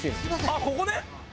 あっここね。